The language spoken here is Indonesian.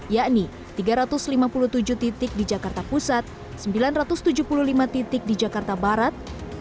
yakni tiga ratus lima puluh tujuh titik di jakarta pusat sembilan ratus tujuh puluh lima titik di jakarta barat